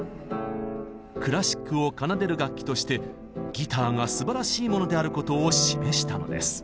クラシックを奏でる楽器としてギターがすばらしいものであることを示したのです。